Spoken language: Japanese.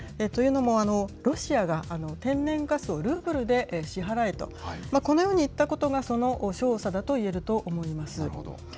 というのも、ロシアが天然ガスをルーブルで支払えと、このように言ったことが、その証左だといえると思います。